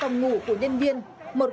một phòng ngủ của nhân viên một gara ô tô